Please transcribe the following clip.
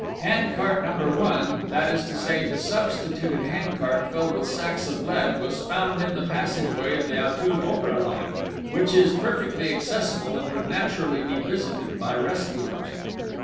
Hand cart number one, that is to say, the substituted hand cart filled with sacks of lead, was found in the passageway of the Auteuil Opéra line, which is perfectly accessible, and would naturally be visited by the rescuers.